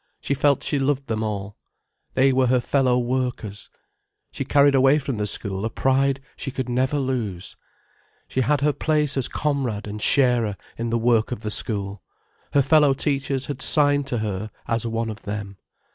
She felt she loved them all. They were her fellow workers. She carried away from the school a pride she could never lose. She had her place as comrade and sharer in the work of the school, her fellow teachers had signed to her, as one of them.